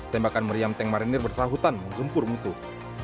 tembakan meriam tank marinir bersahutan menggempur musuh